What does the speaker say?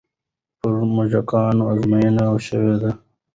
پر موږکانو ازموینې شوې دي.